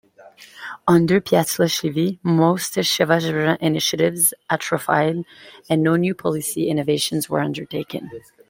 Under Patiashvili, most of Shevardnadze's initiatives atrophied, and no new policy innovations were undertaken.